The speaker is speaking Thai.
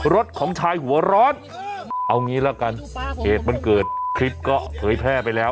รถของชายหัวร้อนเอางี้ละกันเหตุมันเกิดคลิปก็เผยแพร่ไปแล้ว